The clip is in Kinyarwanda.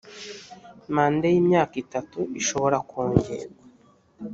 manda y imyaka itatu ishobora kongerwa